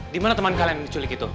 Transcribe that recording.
dimana temen kalian yang diculik itu